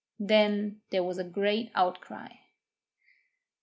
Then there was a great outcry.